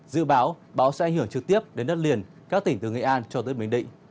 dự báo bão sẽ ảnh hưởng trực tiếp đến đất liền các tỉnh từ nghệ an cho tới bình định